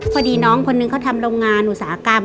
พอดีน้องคนนึงเขาทำโรงงานอุตสาหกรรม